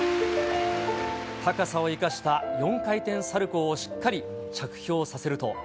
高さを生かした４回転サルコーをしっかり着氷させると。